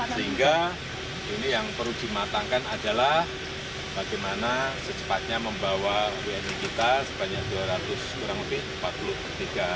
sehingga ini yang perlu dimatangkan adalah bagaimana secepatnya membawa wni kita sebanyak dua ratus kurang lebih